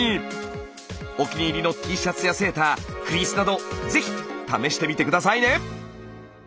お気に入りのＴシャツやセーターフリースなど是非試してみて下さいね！